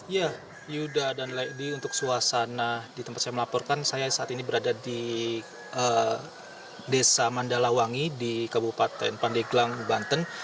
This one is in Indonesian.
ya yuda dan lady untuk suasana di tempat saya melaporkan saya saat ini berada di desa mandalawangi di kabupaten pandeglang banten